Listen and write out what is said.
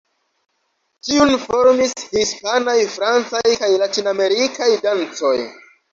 Tiun formis hispanaj, francaj kaj latinamerikaj dancoj.